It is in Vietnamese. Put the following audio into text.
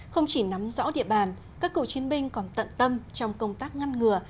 không chỉ nắm rõ địa bàn các cựu chiến binh còn tận tâm trong công tác ngăn ngừa